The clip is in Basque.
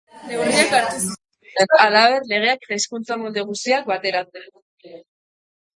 Neurriak hartu zituen, halaber, legeak eta hizkuntza-molde guztiak bateratzeko.